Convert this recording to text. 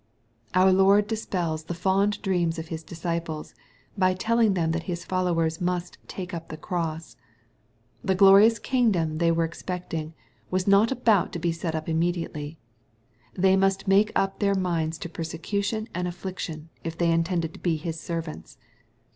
Our Lord dispels the fond dreams of His disciples, by telling them that His followers must " take up the cross." The glorious kingdom they were expecting, was not about to be set up immediately. They must make up their miuds to persecution and affliction, if they intended to be His servants.